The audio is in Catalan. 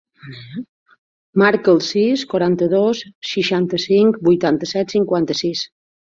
Marca el sis, quaranta-dos, seixanta-cinc, vuitanta-set, cinquanta-sis.